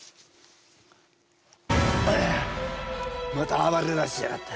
ううまた暴れだしやがった。